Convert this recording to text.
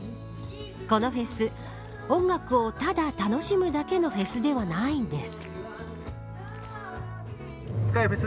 このフェス音楽をただ楽しむだけのフェスではないんです。